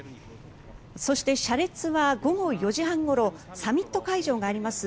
そして車列は午後４時半ごろサミット会場があります